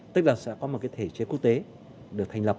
tức là sẽ có một cái thể chế quốc tế được thành lập